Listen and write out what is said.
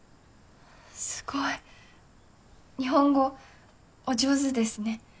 すごい！日本語お上手ですね。